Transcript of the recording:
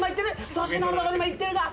粗品のとこに今行ってるが。